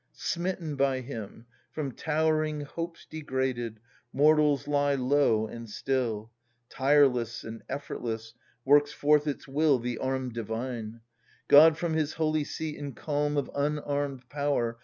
Smitten by him, from towering hopes degraded. Mortals lie low and still : Tireless and effortless, works forth its will /^^ The arm divine ! God from his holy seat, in calm of unarmed power.